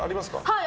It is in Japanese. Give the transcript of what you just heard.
はい。